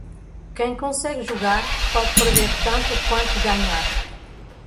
Quem consegue jogar, pode perder tanto quanto ganhar.